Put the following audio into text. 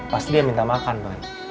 pas dia minta makan pak